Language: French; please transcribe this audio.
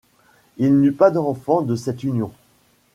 Il n’eut pas d’enfants de cette union.